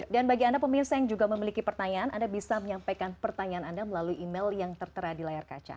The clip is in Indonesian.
dan bagi anda pemirsa yang juga memiliki pertanyaan anda bisa menyampaikan pertanyaan anda melalui email yang tertera di layar kaca